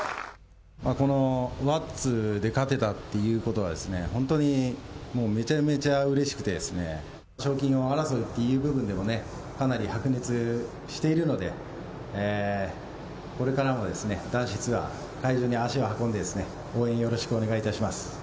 この輪厚で勝てたということがですね、本当にめちゃめちゃ嬉しくてですね、賞金王争いという部分でも、かなり白熱しているので、これからもですね、男子ツアー、会場に足を運んでですね、応援よろしくお願いいたします。